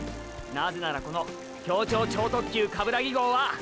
なぜならこの協調超特急カブラギ号はーー。